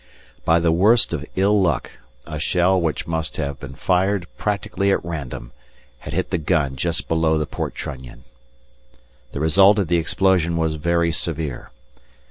By the worst of ill luck, a shell which must have been fired practically at random had hit the gun just below the port trunnion. The result of the explosion was very severe.